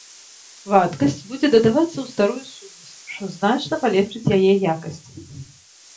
Вадкасць будзе дадавацца ў старую сумесь, што значна палепшыць яе якасці.